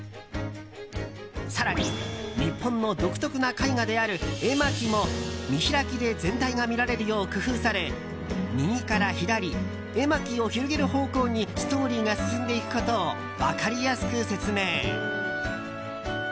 更に日本の独特な絵画である絵巻も見開きで全体が見られるよう工夫され右から左、絵巻を広げる方向にストーリーが進んでいくことを分かりやすく説明。